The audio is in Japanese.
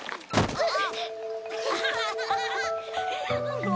あっ。